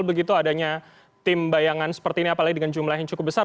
begitu adanya tim bayangan seperti ini apalagi dengan jumlah yang cukup besar